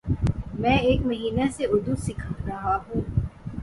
میں ایک مہینہ سے اردو سیکھرہاہوں